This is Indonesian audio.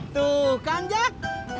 tuh kan jack